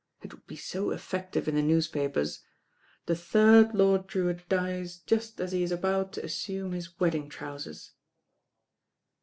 It would be so effective in the newspapers. The third Lord Drewitt dies just as he is about to assume his wedding trousers.'